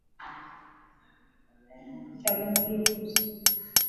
Akutukanae hakuchagulii tusi